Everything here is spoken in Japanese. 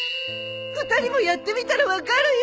２人もやってみたら分かるよ！